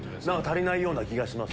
足りないような気がします。